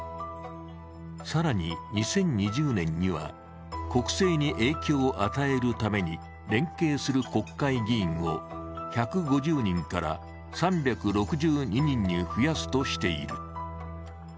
更に、２０２０年には国政に影響を与えるために連携する国会議員を１５０人から３６２人に増やすとしている。